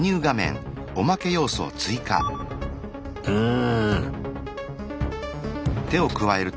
うん。